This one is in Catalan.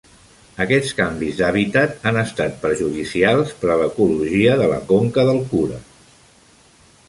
Aquests canvis d"hàbitat han estat perjudicials per a l"ecologia de la conca del Kura.